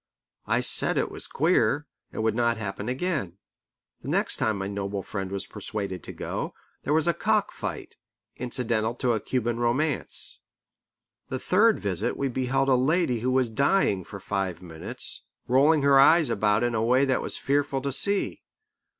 I said it was queer, and would not happen again. The next time my noble friend was persuaded to go, there was a cock fight, incidental to a Cuban romance. The third visit we beheld a lady who was dying for five minutes, rolling her eyes about in a way that was fearful to see.